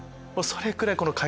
それくらい。